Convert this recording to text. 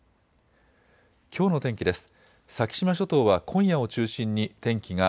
きょうの天気です。